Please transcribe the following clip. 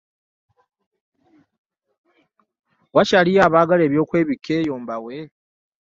Wakyaliyo abaagala eby'okwebikka eyo mbawe?